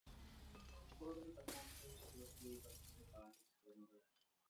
Od poloviny patnáctého století jej vlastnili páni z Klenové.